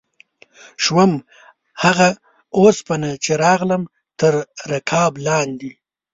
شوم هغه اوسپنه چې راغلم تر رکاب لاندې